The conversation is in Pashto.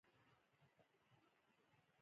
نشتون خو یې لا بله خبره ده.